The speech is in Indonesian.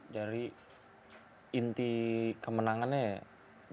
jadi inti kemenangannya ya jangan berpikir pikir